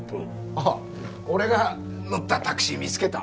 あっ俺が乗ったタクシー見つけた？